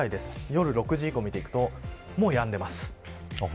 夜６時以降を見ていくともうやんでいます。